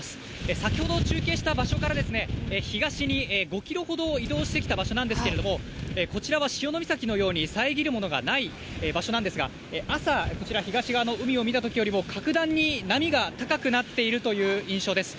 先ほど、中継した場所から東に５キロほど移動してきた場所なんですけれども、こちらは潮岬のように、遮るようなものがない場所なんですが、朝、こちら東側の海を見たときよりも、格段に波が高くなっているという印象です。